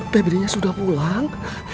febri sudah pulang